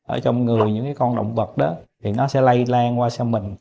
ở trong người những cái con động vật đó thì nó sẽ lây lan qua sang mình